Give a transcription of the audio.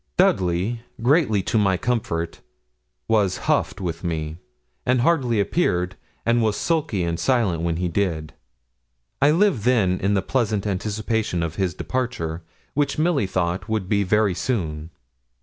Dudley, greatly to my comfort, was huffed with me, and hardly appeared, and was sulky and silent when he did. I lived then in the pleasant anticipation of his departure, which, Milly thought, would be very soon.